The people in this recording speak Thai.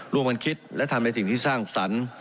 ร่วมกันคิดและทำในสิ่งที่สร้างสรรค์